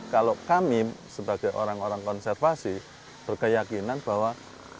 kepuh yang mengembangkan produk kopi dengan brand asli wonosalam